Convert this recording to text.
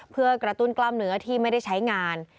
เพื่อกระตุ้นกล้ามเนื้อที่ไม่ได้ใช้งาน